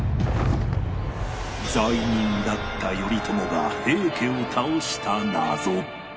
罪人だった頼朝が平家を倒した謎